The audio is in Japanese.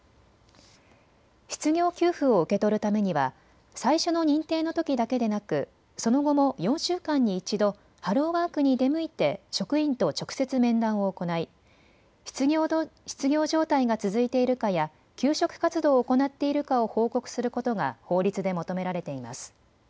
失業給付を受け取るためには最初の認定のときだけでなくその後も４週間に１度、ハローワークに出向いて職員と直接、面談を行い失業状態が続いているかや求職活動を行っているかを報告することが法律で求められています。